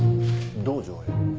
道場へ。